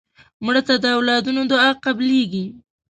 مړه ته د اولادونو دعا قبلیږي